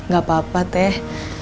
gak apa apa teh